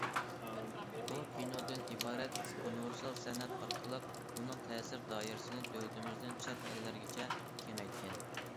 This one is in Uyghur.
ئۇ كىنودىن ئىبارەت ئۇنىۋېرسال سەنئەت ئارقىلىق ئۇنىڭ تەسىر دائىرىسىنى دۆلىتىمىزدىن چەت ئەللەرگىچە كېڭەيتكەن.